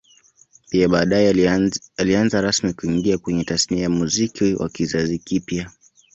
Pia baadae alianza rasmi kuingia kwenye Tasnia ya Muziki wa kizazi kipya